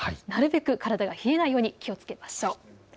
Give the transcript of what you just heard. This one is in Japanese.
なるべく体が冷えないように気をつけましょう。